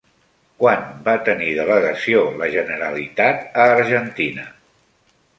Quan va tenir delegació la Generalitat a Argentina?